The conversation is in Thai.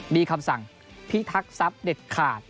มีคำสั่งพิทักษัพเด็ดขาด